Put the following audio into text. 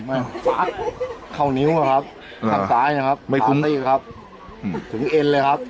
มันฟักเข้านิ้วอ่ะครับฟักซ้ายนะครับไม่คุ้มถึงเอ็นเลยครับ